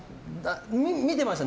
見てました。